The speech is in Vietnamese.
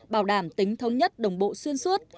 bảo đảm tính thống nhất đồng bộ xuyên suốt